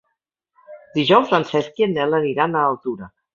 Dijous en Cesc i en Nel aniran a Altura.